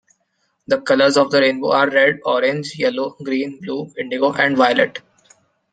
The colours of the rainbow are red, orange, yellow, green, blue, indigo, and violet.